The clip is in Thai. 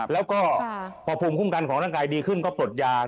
แล้วก็พอภูมิคุ้มกันของร่างกายดีขึ้นก็ปลดยา